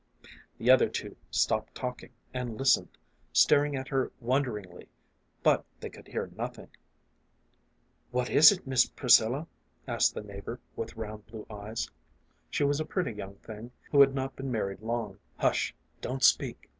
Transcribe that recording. The other two stopped talking, and listened, staring at her wonderingly, but they could hear nothing. 214 A FAR AWAY MELODY. "What is it, Miss Priscilla?" asked the neighbor, with round blue eyes. She was a pretty young thing, who had not been married long. "Hush! Don't speak.